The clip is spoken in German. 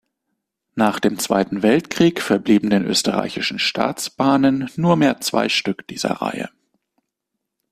Nach dem Zweiten Weltkrieg verblieben den österreichischen Staatsbahnen nur mehr zwei Stück dieser Reihe.